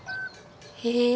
へえ！